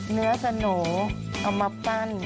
เนื้อสนุกเอามาปั้น